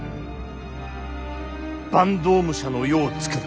坂東武者の世をつくる。